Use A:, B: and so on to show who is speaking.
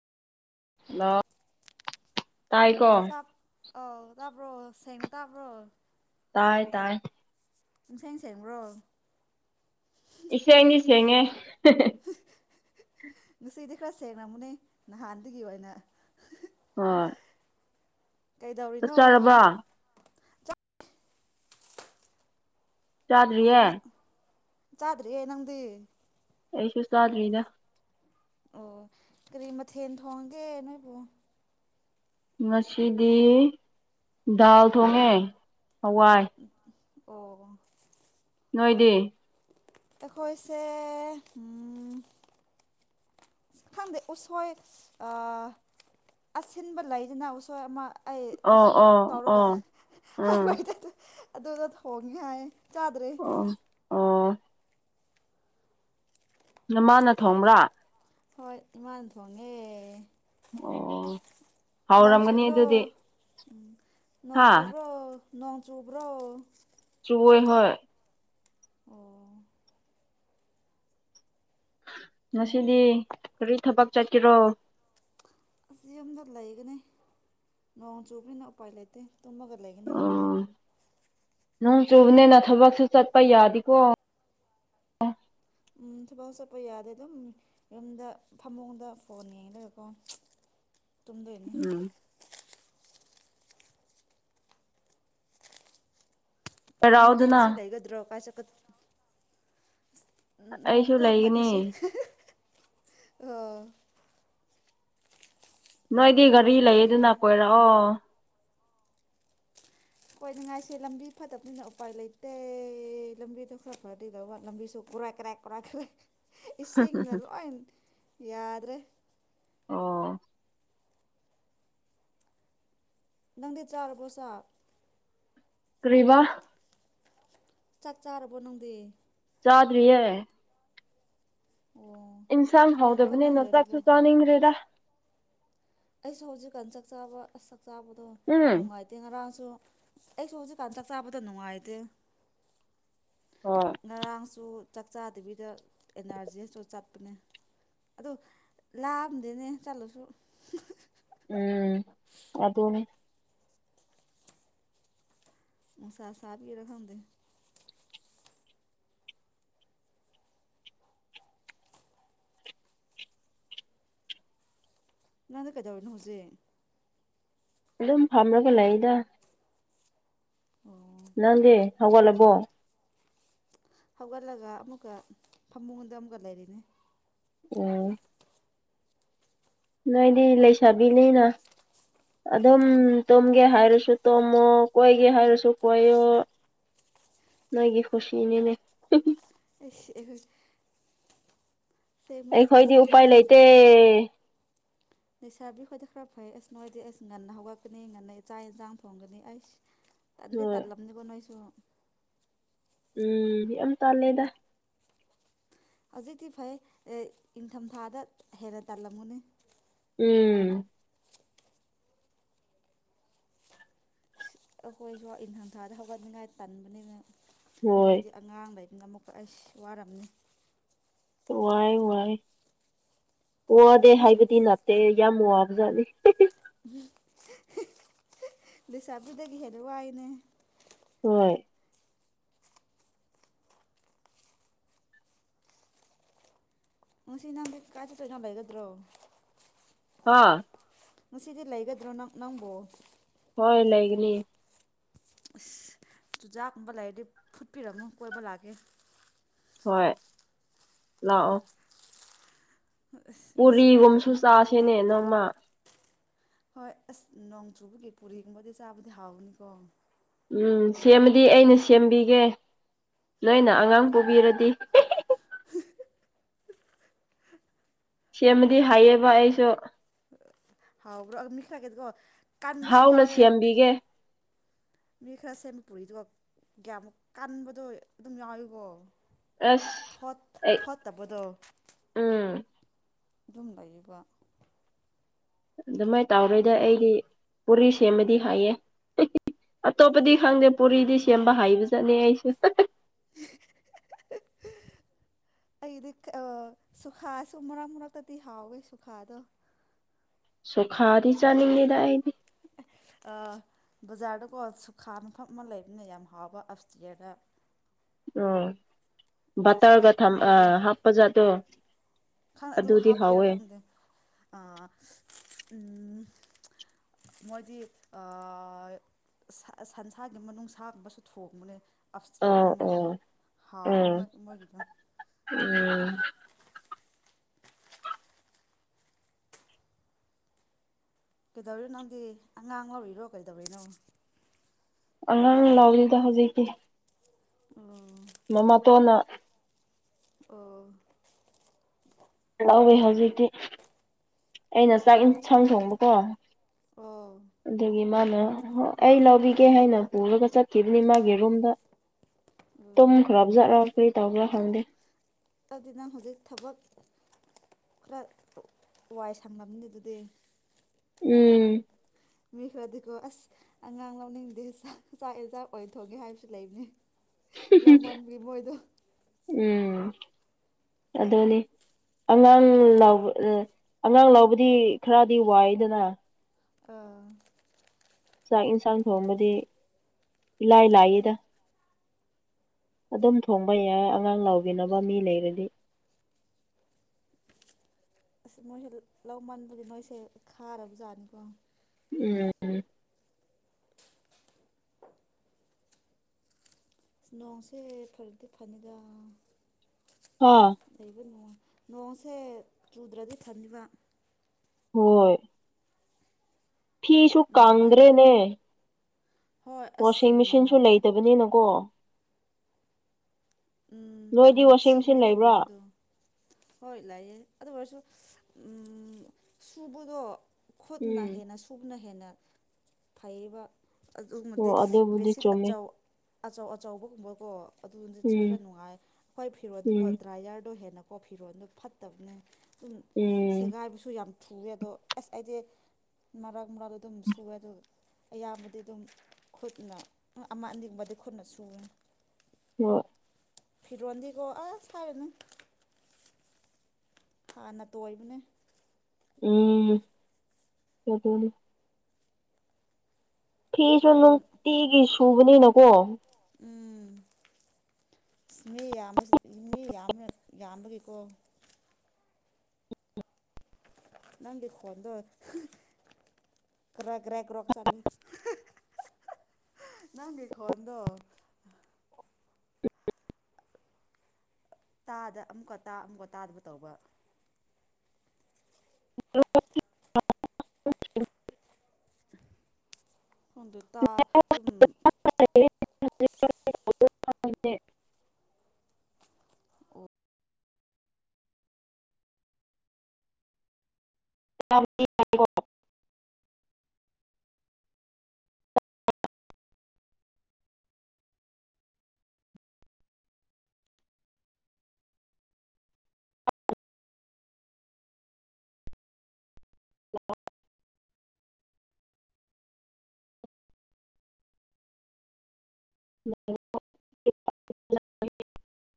A: ꯑ ꯇꯥꯏꯀꯣ
B: ꯑꯥꯎ ꯇꯥꯕ꯭ꯔꯣ ꯁꯦꯡꯅ ꯇꯥꯕ꯭ꯔꯣ
A: ꯇꯥꯏ ꯇꯥꯏ
B: ꯁꯦꯡ ꯁꯦꯡꯕ꯭ꯔꯣ
A: ꯏꯁꯩ ꯑꯅꯤ ꯁꯦꯡꯉꯦ
B: ꯉꯁꯤꯗꯤ ꯈꯔ ꯁꯦꯡꯅꯃꯨꯅꯦ ꯅꯍꯥꯟꯗꯨꯒꯤ ꯑꯣꯏꯅ
A: ꯍꯣꯏ ꯆꯥꯛ
B: ꯀꯩꯗꯧꯔꯤꯅꯣ
A: ꯆꯥꯔꯕ ꯆꯥꯗ꯭ꯔꯤꯌꯦ
B: ꯆꯥꯗ꯭ꯔꯤꯌꯦ ꯅꯪꯗꯤ
A: ꯑꯩꯁꯨ ꯁꯥꯗꯕꯤꯗ
B: ꯑꯣ ꯀꯔꯤ ꯃꯊꯦꯜ ꯊꯣꯡꯒꯦ ꯅꯣꯏꯕꯨ
A: ꯉꯁꯤꯗꯤ ꯗꯥꯜ ꯊꯣꯡꯉꯦ ꯍꯋꯥꯏ
B: ꯑꯣ [inaudible]
A: ꯅꯣꯏꯗꯤ
B: ꯑꯩꯈꯣꯏꯁꯦ ꯈꯥꯟꯗ ꯎꯁꯣꯏ ꯑꯁꯤꯟꯕ ꯂꯩꯗꯅꯎꯁ ꯑꯃ ꯑꯩ
A: ꯑꯣ
B: ꯑꯁꯣꯏ
A: ꯑꯣ
B: ꯇꯧꯔꯒ
A: ꯑꯣ ꯎꯝ
B: ꯍꯥꯏꯕꯒꯤꯗ ꯑꯗꯨꯗ ꯊꯣꯡꯉꯤ ꯍꯥꯏ ꯆꯥꯗ꯭ꯔꯤ
A: ꯑꯣ ꯑ ꯅꯃꯥꯅ ꯊꯣꯡꯕ꯭ꯔꯥ
B: ꯍꯣꯏ ꯏꯃꯥ ꯊꯣꯡꯉꯦ
A: ꯑꯣ
B: ꯅꯣꯡ
A: ꯍꯥꯎꯔꯝꯒꯅꯤ
B: ꯆꯨꯗ꯭ꯔꯣ
A: ꯑꯗꯨꯗꯤ
B: ꯎꯝ ꯅꯣꯡ
A: ꯍꯥ
B: ꯆꯨꯕ꯭ꯔꯣ ꯅꯣꯡꯆꯨꯕ꯭ꯔꯣ
A: ꯍꯣꯏ ꯍꯣꯏ
B: ꯑꯣ
A: ꯉꯁꯤꯗꯤ ꯀꯔꯤ ꯊꯕꯛ ꯆꯠꯀꯔꯣ
B: ꯑꯁꯤꯁ ꯌꯨꯝꯗ ꯂꯩꯒꯅꯤ ꯅꯣꯡ ꯆꯨꯕꯅꯤꯅ ꯎꯄꯥꯏ ꯂꯩꯇꯦ ꯇꯨꯝꯃꯒ ꯂꯩꯒꯅꯤ ꯌꯨꯝꯗ
A: ꯎꯝ ꯅꯣꯡ ꯆꯨꯕꯅꯤꯅ ꯊꯕꯛꯁꯨ ꯆꯠꯄ ꯌꯥꯗꯤꯦꯀꯣ
B: ꯎꯝ ꯊꯕꯛ ꯆꯠꯄ ꯌꯥꯗꯦ ꯑꯗꯨꯝ ꯌꯨꯝꯗ ꯐꯃꯨꯡꯗ ꯐꯣꯟ ꯌꯦꯡꯂꯡꯒꯀꯣ ꯇꯅꯤ
A: ꯎꯝ
B: ꯅꯪꯗꯤ
A: ꯀꯔꯥꯎꯗꯅ
B: ꯅꯤꯡꯁꯤ ꯂꯩꯒꯗ꯭ꯔꯣ ꯀꯥ ꯆ
A: ꯑꯩꯁꯨ
B: ꯅꯣꯡꯗ
A: ꯂꯩꯒꯅꯤ
B: ꯐꯥꯀꯤꯁꯦ ꯑ
A: ꯅꯣꯏꯗꯤ ꯒꯥꯔꯤ
B: ꯎꯄꯥꯏ
A: ꯂꯩꯌꯦ
B: ꯂꯩꯇꯦ
A: ꯑꯗꯨꯅ ꯀꯣꯏꯔꯛꯑꯣ
B: ꯍꯣꯏ ꯅꯨꯡꯉꯥꯏꯁꯦ ꯂꯝꯕꯤ ꯐꯠꯇꯕꯅꯤꯅ ꯎꯄꯥꯏ ꯂꯩꯇꯦ ꯂꯝꯕꯤꯗꯣ ꯈꯔ ꯐꯔꯗꯤꯩꯗ ꯋꯥꯠ ꯂꯝꯕꯤꯁꯨ ꯀꯨꯔꯥꯏ ꯀꯔꯦ ꯀꯨꯔꯥꯏ ꯀꯔꯦ ꯏꯁꯤꯡꯅ ꯂꯣꯏ ꯌꯥꯗ꯭ꯔꯦ
A: ꯑꯣ
B: ꯅꯪꯗꯤ ꯆꯥꯔꯕꯣ ꯁꯥ
A: ꯀ꯭ꯔꯤꯚ
B: ꯆꯥꯛ ꯆꯥꯔꯕꯣ ꯅꯪꯗꯤ
A: ꯁꯥꯗꯕꯤ ꯌꯥꯦ
B: ꯑꯣ
A: ꯏꯟꯁꯥꯡ
B: ꯊꯣꯡꯕ ꯈꯛꯇꯪ
A: ꯍꯧꯗꯕꯅꯤꯅ ꯆꯥꯛꯁꯨ
B: ꯂꯣꯏꯔꯕꯣ
A: ꯆꯥꯅꯤꯡꯗ꯭ꯔꯦꯗ
B: ꯑꯩꯁꯨ ꯍꯧꯖꯤꯛꯀꯥꯟ ꯆꯥꯛ ꯆꯥꯕ ꯑꯁ ꯆꯛ ꯆꯥꯕꯗꯣ
A: ꯎꯝ
B: ꯅꯨꯡꯉꯥꯏꯇꯦ ꯉꯔꯥꯡ ꯁ ꯑꯩꯁꯨ ꯍꯧꯖꯤꯛꯀꯥꯟ ꯆꯥꯛ ꯆꯥꯕꯗ ꯅꯨꯡꯉꯥꯏꯇꯦ
A: ꯍꯣꯏ
B: ꯉꯔꯥꯡꯁꯨ ꯆꯥꯛ ꯆꯥꯗꯕꯤꯗ ꯑꯦꯅꯔꯖꯤꯁꯨ ꯆꯠꯄꯅꯦ ꯑꯗꯨ ꯂꯥꯝꯗꯦꯅꯦ ꯆꯠꯂꯁꯨ
A: ꯎꯝ ꯑꯗꯨ ꯑꯗꯨꯅꯤ
B: ꯅꯨꯡꯁ ꯁꯥꯥꯕꯒꯤꯔ ꯈꯗ‌ꯦ ꯅꯪꯗꯤ ꯀꯩꯗꯧꯔꯤꯅꫭ ꯍꯧꯖꯤꯛ
A: ꯑꯗꯨꯝ ꯐꯝꯃꯒ ꯂꯩꯗ
B: ꯑꯣ
A: ꯅꯪꯗꯤ ꯍꯧꯒꯠꯂꯕꯣ
B: ꯍꯧꯒꯠꯂꯒ ꯑꯃꯨꯛꯀ ꯐꯃꯨꯡꯗ ꯑꯃꯨꯛꯀ ꯂꯩꯔꯤꯅꯤ
A: ꯎꯝ ꯅꯣꯏꯗꯤ ꯂꯩꯁꯥꯕꯤꯅꯤꯅ ꯑꯗꯨꯝ ꯇꯨꯝꯒꯦ ꯍꯥꯏꯔꯁꯨ ꯇꯨꯝꯃꯣ ꯀꯣꯏꯒꯦ ꯍꯥꯏꯔꯁꯨ ꯀꯣꯏꯌꯨ
B: [inaudible]
A: ꯅꫭꯏꯒꯤ ꯀꯨꯁꯤꯅꯤꯅꯦ
B: ꯑ [unintelligible]
A: ꯑꯩꯈꯣꯏꯗꯤ ꯎꯄꯥꯏ
B: ꯂꯩꯁꯥꯕꯤꯗꯤ
A: ꯂꯩꯇꯦ
B: ꯂꯩꯁꯥꯕꯤꯈꯣꯏꯗ ꯈꯔ ꯐꯩ ꯑꯁ ꯅꫭꯏꯗꯤ ꯑꯩꯁ ꯉꯟꯅ ꯍꯧꯒꯛꯀꯅꯤ ꯉꯟꯅ ꯆꯥꯛꯛ ꯏꯟꯁꯥꯡ ꯊꯣꯡꯒꯅꯤ ꯑꯩꯁ ꯇꯟꯗꯤ
A: ꯍꯣꯏ
B: ꯇꯟꯂꯕꯅꯤꯀꫭ ꯅꫭꯏꯁꯨ
A: ꯎꯝ ꯌꯥꯝ ꯇꯥꯜꯂꯦꯗ
B: ꯍꯧꯖꯤꯛꯇꯤ ꯐꯩ ꯏꯪꯊꯝꯊꯥꯗ ꯍꯦꯟꯅ ꯇꯜꯂꯝꯒꯅꯤ
A: ꯎꯝ
B: ꯑꯩꯈꯣꯏꯁꯨ ꯏꯟꯊꯝꯊꯥꯗ ꯍꯧꯒꯠꯅꯤꯡꯉꯥꯏ ꯇꯟꯕꯅꯤꯅ
A: ꯍꯣꯏ
B: ꯅꯣꯏꯗꯤ ꯑꯉꯥꯡꯗꯩ ꯑꯃꯨꯛꯀ ꯑꯩꯁ ꯋꯥꯔꯝꯅꯤ
A: ꯋꯥꯏ ꯋꯥꯏ ꯋꯥꯗ‌ꯦ
B: ꯅꯣꯏꯁꯨ
A: ꯍꯥꯏꯕꯗꯤ ꯅꯥꯠꯇ‌ꯦ ꯌꯥꯝ ꯋꯥ ꯕꯖꯥꯠꯅꯤ
B: ꯂꯩꯁꯕꯤꯗꯒꯤ ꯍꯦꯟꯅ ꯋꯥꯏꯅ‌ꯦ
A: ꯍꯣꯏ
B: ꯉꯁꯤ ‌ꯅ‌ꯪ ꯀꯥꯆ ꯇꯖꯕꯩꯒꯗ꯭ꯔꯣ [unintelligible]
A: ꯍꯥ
B: ꯉꯁꯤꯗꯤ ꯂꯩꯒꯗ꯭ꯔꯣ ꯅꯪ ꯅꯪꯕꯨ
A: ꯍꯣꯏ ꯂꯩꯥꯏꯒꯅꯤ
B: ꯑꯁ ꯆꯨꯖꯥꯛꯒꯨꯝꯕ ꯂꯩꯔꯗꯤ ꯐꯨꯠꯄꯤꯔꯝꯃꯨ ꯀꯣꯏꯕ ꯂꯥꯛꯀꯦ
A: ꯍꯣꯏ ꯂꯥꯛꯑꯣ
B: ꯑꯁ ꯉꯁꯤꯗꯤ
A: ꯄꯨꯔꯤꯒꯨꯝꯕꯁꯨ ꯆꯁꯤꯅꯦ ꯅꯣꯡꯃ
B: ꯍꯣꯏ ꯑꯁ ꯅꯣꯡ ꯆꯨꯕꯒꯤ ꯄꯨꯔꯤꯒꯨꯝꯕꯗꯤ ꯆꯥꯕꯗꯤ ꯍꯥꯎꯕꯅꯤꯀꯣ
A: ꯎꯝ ꯁꯦꯝꯕꯗꯤ ꯑꯩꯅ ꯁꯦꯝꯕꯤꯒꯦ ꯅꫭꯏꯅ ꯑꯉꯥꯡ ꯄꫭꯕꯤꯔꯗꯤ ꯁꯦꯝꯕꯗꯤ ꯍꯥꯏꯌꯦꯕ ꯑꯩꯁꯨ
B: ꯍꯥꯎꯕ꯭ꯔꯣ ꯃꯤ ꯈ꯭ꯔꯒꯤꯗꯤꯀꯣ ꯀꯟꯕꯁꯨ
A: ꯍꯥꯎꯅ
B: ꯌꯥꯎꯋꯦ
A: ꯁꯦꯝꯕꯤꯒꯦ
B: ꯃꯤ ꯈꯔ ꯁꯦꯝꯕ ꯄꯨꯔꯤꯗꯨ ꯌꯥꯝ ꯀꯟꯕꯗꯣ ꯑꯗꯨꯝ ꯌꯥꯎꯋꯀꯣ
A: ꯑꯁ ꯎꯝ
B: ꯑꯗꯨꯝ ꯂꯩꯏꯕ
A: ꯑꯗꯨꯃꯥꯏꯅ ꯇꯧꯔꯣꯏꯗ ꯑꯩꯗꯤ ꯄꯨꯔꯤ ꯁꯦꯝꯃꯗꯤ ꯍꯥꯏꯌꯦ ꯑꯇꯣꯞꯄꯗꯤ ꯈꯪꯗꯦ ꯄꯨꯔꯤꯗꯤ ꯁꯦꯝꯕ ꯍꯥꯏꯕ ꯖꯠꯅꯤ ꯑꯩꯁꯨ
B: [unintelligible] ꯑꯩꯗꯤ ꯁꯨꯈꯥꯁꯨ ꯃꯔꯛ ꯃꯔꯛꯇꯗꯤ ꯍꯥꯎꯋꯦ ꯁꯨꯈꯥꯗꯣ
A: ꯁꯨꯈꯥꯗ ꯆꯅꯤꯡꯗ‌ꯦꯗꯥ ꯑꯩꯗꯤ
B: ꯑ [unintelligible] ꯕꯖꯥꯔꯗꯀꯣ ꯁꯨꯈꯥ ꯃꯐꯝ ꯑꯃ ꯂꯩꯕꯅꯤꯅ ꯌꯥꯝ ꯍꯥꯎꯕ ꯑꯁꯇꯤꯌꯥꯗ
A: ꯑꯣ ꯕꯇꯔꯒ ꯊ ꯑ
B: ꯃꯣꯏꯗꯣ
A: ꯍꯥꯞꯄꯖꯥꯠꯗꯣ
B: ꯑꯗꯨ ꯍꯥꯞꯀꯦꯔꯥ ꯈꯪꯗꯦ ꯎ ꯃꯣꯏꯗꯤ ꯁꯟꯁꯥꯒꯤ ꯃꯅꯨꯡꯁ ꯁꯥꯒꯨꯝꯕꯁꯨ ꯊꯣꯡꯕꯅꯦ ꯑꯐꯇꯔꯅꯤ
A: ꯑꯣ
B: ꯃꯣꯏꯗꯣ
A: ꯑꯣ
B: ꯍꯑꯣꯣꯏ
A: ꯎꯝ
B: ꯃꯣꯏꯗꯣ
A: ꯎꯝ
B: ꯀꯩꯗꯧꯔꯤꯅꯣꯪꯗꯤ ꯑꯉꯥꯡ ꯂꯧꯔꯤꯔꯣ ꯀꯩꯗꯧꯔꯤꯅꯣ
A: ꯑꯉꯥꯡ ꯂꯥꯎꯗꯨꯗ ꯍꯧꯖꯤꯛꯀꯤꯤ
B: ꯎꯝ ꯑꯣ
A: ꯂꯧꯋꯦ ꯍꯧꯖꯤꯛꯇꯤ ꯑꯩꯅ ꯆꯥꯛ ꯌꯦꯟꯁꯥꯡ ꯊꯣꯡꯕꯀꯣ
B: ꯑ
A: ꯑꯗꯨꯒꯤ ꯃꯥꯅ ꯑꯩ ꯂꯧꯕꯤꯒꯦ ꯍꯥꯏꯅ ꯄꯨꯔꯒ ꯆꯠꯈꯤꯕꯅꯤ ꯃꯥꯒꯤ ꯔꯨꯝꯗ ꯇꯨꯡ
B: ꯎꯝ
A: ꯈꯔꯞꯖꯥꯔ ꯀꯔꯤ ꯇꯧꯕ꯭ꯔꯥ ꯈꯪꯗꯦ
B: ꯑꯗꯨꯅ ꯍꯧꯖꯤꯛ ꯊꯕꯛ ꯈꯔ ꯋꯥꯏ ꯁꯪꯂꯝꯕꯅꯤ ꯑꯗꯨꯗꯤ
A: ꯎꯝ
B: ꯃꯤ ꯈꯔꯗꯤꯀꯣ ꯑꯁ ꯑꯉꯥꯡ ꯂꯧꯅꯤꯡꯗꯦ ꯆꯥꯛ ꯌꯦꯟꯖꯥꯡ ꯑꯣꯏꯅ ꯊꯣꯡꯒꯦ ꯍꯥꯏꯕꯁꯨ ꯂꯩꯕꯅꯤ ꯂꯧꯃꯟꯕꯒꯤ ꯃꯣꯏꯗꯣ
A: ꯎꯝ ꯑꯗꯅꯤ ꯑꯉꯥꯡ ꯂꯥꯎ ꯑꯉꯥꯡ ꯂꯥꯎꯕꯗꯤ ꯈꯔꯗꯤ ꯋꯥꯏꯗꯅ
B: ꯑꯥ
A: ꯆꯥꯛ ꯏꯟꯁꯥꯡ ꯊꯣꯡꯕꯗꯤ ꯏꯂꯥꯏ ꯂꯥꯏꯌꯦꯗ ꯑꯗꯨꯝ ꯊꯣꯡꯕ ꯌꯥꯏ ꯑꯉꯥꯡ ꯂꯥꯎꯕꯤꯅꯕ ꯃꯤ ꯂꯩꯔꯗꯤ
B: ꯑꯁ ꯃꯣꯏꯁꯦ ꯂꯧꯃꯟꯕꯒꯤ ꯅꯣꯏꯁꯦ ꯈꯥꯔꯕꯖꯥꯠꯅꯤꯀꯣ
A: ꯎꯝ
B: ꯑꯁ ꯅꯣꯡꯁꯦ ꯐꯔꯗꯤ ꯐꯅꯤꯗ
A: ꯍꯥ
B: ꯂꯩꯕ ꯅꯨꯡꯉꯥꯏ ꯅꯣꯡꯁꯦ ꯆꯨꯗ꯭ꯔꯗꯤ ꯊꯝꯃꯤꯕ
A: ꯍꯣꯏ ꯐꯤꯁꯨꯨ
B: ꯅꯨꯡꯉꯥꯏꯇꯦ
A: ꯀꯥꯟꯗ꯭ꯔꯦꯅꯦ
B: ꯍꯣꯏ ꯑꯁ
A: ꯋꯥꯁꯤꯡ ꯃꯦꯆꯤꯟꯁꯨ
B: ꯅꯝ
A: ꯂꯩꯇꯕꯅꯤꯅꯀꯣ
B: ꯎꯝ
A: ꯅꯣꯏꯗꯤ ꯋꯥꯁꯤꯡ ꯃꯦꯆꯤꯟ
B: ꯅꯝꯊꯤꯕꯅꯦ
A: ꯂꯩꯕ꯭ꯔꯥ
B: ꯐꯤꯔꯣꯜꯗꯣ ꯍꯣꯏ ꯂꯥꯛꯑꯦ ꯑꯗꯨ ꯑꯣꯏꯔꯁꯨ ꯎꯝ ꯁꯨꯕꯗꯣ ꯈꯨꯠꯅ
A: ꯎꯝ
B: ꯍꯦꯟꯅ ꯁꯨꯕꯅ ꯍꯦꯟꯅ ꯐꯩꯌꯦꯕ
A: ꯑꯣ
B: ꯑꯗꯨꯃꯗꯤ
A: ꯑꯗꯨꯕꯨꯗꯤ
B: ꯕꯦꯁꯤꯠ
A: ꯆꯨꯝꯃꯦ
B: ꯑꯆꯥꯎ ꯑꯆꯧ ꯑꯆꯧꯕꯒꯨꯝꯕꯀꯣ ꯑꯗꯨꯗꯤ
A: ꯎꯝ
B: ꯈꯔ ꯅꯨꯡꯉꯥꯏ ꯑꯩꯈꯣꯏ ꯐꯤꯔꯣꯟꯗꯤꯀꯣ
A: ꯎꯝ
B: ꯗ꯭ꯔꯥꯏꯌꯔꯗꯣ ꯍꯦꯟꯅ ꯀꯣ ꯐꯤꯔꯣꯜꯗꯣ ꯐꯠꯇꯕꯅꯦ ꯑꯗꯨꯝ
A: ꯎꯝ
B: ꯁꯦꯒꯥꯏꯕꯁꯨ ꯌꯥꯝ ꯊꯨ ꯑꯗꯣ ꯑꯁ ꯑꯩꯗꯤ ꯃꯔꯛ ꯃꯔꯥꯛ ꯑꯗꯨꯝ ꯁꯨꯑꯦ ꯑꯗꯣ ꯑꯌꯥꯝꯕꯗꯤ ꯑꯗꯨꯝ ꯈꯨꯠꯅ ꯑꯃ ꯑꯅꯤꯡꯕꯗꯤ ꯈꯨꯠꯅ ꯁꯨꯏ
A: ꯍ
B: ꯐꯤꯔꯣꯟꯗꯤꯀꯣ ꯑꯁ ꯍꯥꯢꯔꯅꯨ ꯍꯥꯟꯅ ꯇꯣꯏꯕꯅꯦ
A: ꯎꯝ ꯀꯇꯅꯤ ꯐꯤꯁꯨ
B: ꯐꯤꯔꯣꯟ
A: ꯅꯨꯡꯇꯤꯒꯤ ꯁꯨꯕꯅꯤꯅꯀꯣ
B: ꯎꯝ ꯃꯤ ꯌꯥꯝꯕ ꯃꯤ ꯌꯥꯝ ꯌꯥꯝꯕꯒꯤꯀꯣ ꯅꯪꯒꯤ ꯈꯣꯟꯗꯣ ꯀꯔꯦ ꯀ꯭ꯔꯦ ꯀ꯭ꯔꯒ ꯆꯂꯦ ꯅꯪꯒꯤ ꯈꯣꯟꯗꯣ ꯇꯥꯗ ꯑꯃꯨꯛꯀ ꯇꯥ ꯑꯃꯨꯛꯀ ꯇꯥꯗꯕ ꯇꯧꯕ
A: [inaudible]
B: ꯈꯪꯗꯦ ꯇꯥ ꯇꯨꯝ
A: [inaudible]
B: ꯑꯣ
A: [inaudible] ꯑ [inaudible]